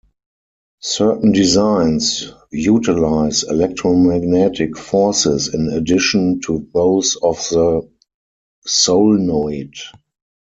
Certain designs utilize electromagnetic forces in addition to those of the solenoid.